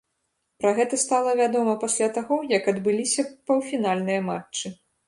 Пра гэта стала вядома пасля таго, як адбыліся паўфінальныя матчы.